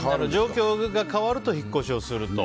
状況が変わると引っ越しをすると。